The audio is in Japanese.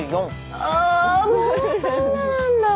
あもうそんななんだ。